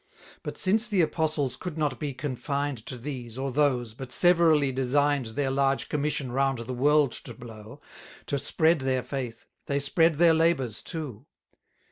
But since the apostles could not be confined To these, or those, but severally design'd Their large commission round the world to blow, To spread their faith, they spread their labours too.